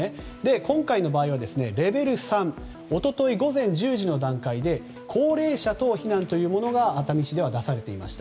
今回の場合は、レベル３一昨日午前１０時の段階で高齢者等避難というものが熱海市では出されていました。